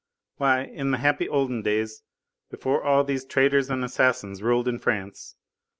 Why, in the happy olden days, before all these traitors and assassins ruled in France, M.